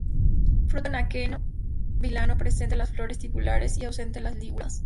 Fruto en aquenio; vilano presente en las flores tubulares y ausente en las liguladas.